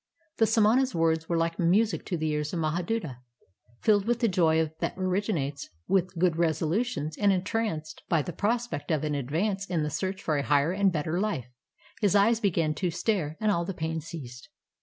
The samana's words were like music to the ears of ^Slahaduta. Filled with the joy that originates with good resolutions and entranced by the prospect of an advance in the search for a higher and better life, his eyes began to stare and all pain ceased.